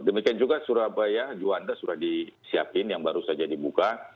demikian juga surabaya juanda sudah disiapkan yang baru saja dibuka